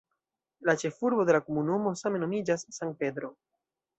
La ĉefurbo de la komunumo same nomiĝas "San Pedro".